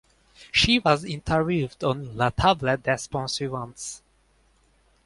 She was interviewed on "La Table des bons vivants".